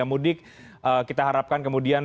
mudik kita harapkan kemudian